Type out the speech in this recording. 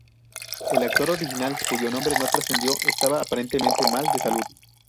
El actor original, cuyo nombre no trascendió, estaba aparentemente mal de salud.